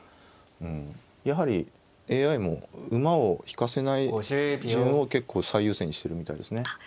やはりＡＩも馬を引かせない順を結構最優先にしてるみたいですね。